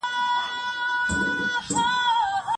نارينه هر وخت درته راتلای سي.